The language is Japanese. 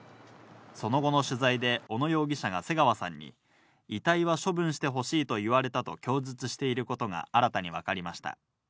その後の取材で小野容疑者が瀬川さんに、遺体は処分してほしいと言われたと供述していることが新たに分かりました。